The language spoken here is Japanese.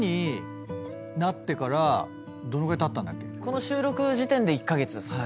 この収録時点で１カ月ですね。